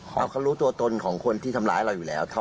เพราะเขารู้ตัวตนของคนที่ทำร้ายเราอยู่แล้ว